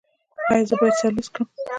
ایا زه باید سر لوڅ کړم؟